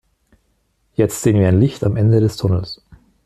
Jetzt sehen wie ein Licht am Ende des Tunnels.